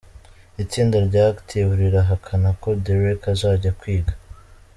Itsinda rya Active rirahakana ko Dereck azajya kwiga.